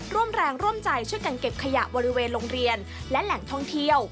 ร่วมแรงร่วมใจช่วยกันเก็บขยะบริเวณโรงเรียนและแหล่งท่องเที่ยว